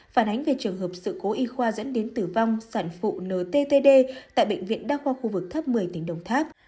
phản ánh về trường hợp sự cố y khoa dẫn đến tử vong sản phụ nttd tại bệnh viện đa khoa khu vực thấp một mươi tỉnh đồng tháp